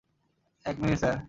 এক minute, sir!